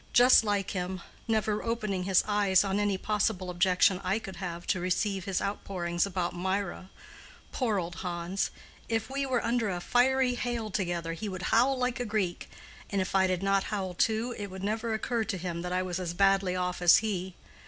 Just like him—never opening his eyes on any possible objection I could have to receive his outpourings about Mirah. Poor old Hans! If we were under a fiery hail together he would howl like a Greek, and if I did not howl too it would never occur to him that I was as badly off as he.